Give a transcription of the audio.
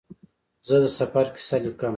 زه د سفر کیسه لیکم.